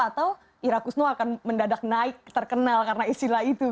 atau ira kusno akan mendadak naik terkenal karena istilah itu